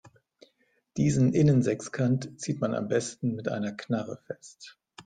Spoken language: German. Diesen Innensechskant zieht man am besten mit einer Knarre fest.